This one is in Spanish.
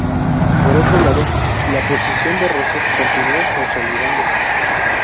Por otro lado, la posición de Rosas continuó consolidándose.